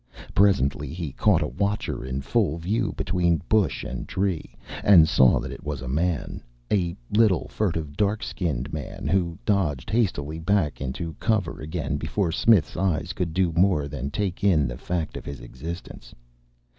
Presently he caught a watcher in full view between bush and tree, and saw that it was a man, a little, furtive, dark skinned man who dodged hastily back into cover again before Smith's eyes could do more than take in the fact of his existence.